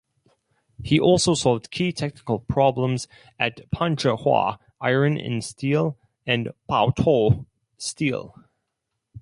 He also solved key technical problems at Panzhihua Iron and Steel and Baotou Steel.